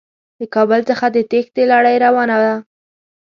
د کابل څخه د تېښتې لړۍ روانه ده.